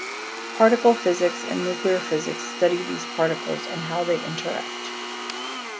Particle physics and nuclear physics study these particles and how they interact.